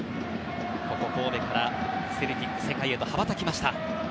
ここ、神戸からセルティック世界へと羽ばたきました。